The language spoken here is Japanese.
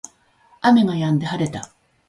雨が止んで晴れた